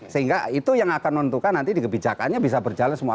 sehingga itu yang akan menentukan nanti di kebijakannya bisa berjalan semua